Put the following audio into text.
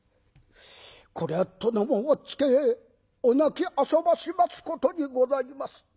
「これは殿もおっつけお泣きあそばしますことにございます」。